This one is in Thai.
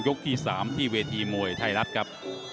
ที่๓ที่เวทีมวยไทยรัฐครับ